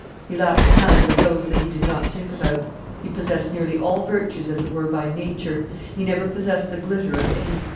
He lacked none but those that he did not think about. He possessed nearly all virtues as it were by nature; he never possessed the glitter of any.